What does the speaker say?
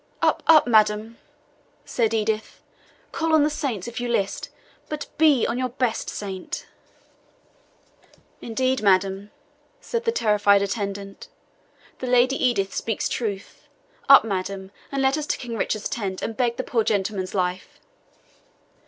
"Up, up, madam!" said Edith; "call on the saints if you list, but be your own best saint." "Indeed, madam," said the terrified attendant, "the Lady Edith speaks truth. Up, madam, and let us to King Richard's tent and beg the poor gentleman's life."